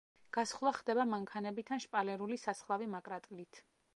გასხვლა ხდება მანქანებით ან შპალერული სასხლავი მაკრატლით.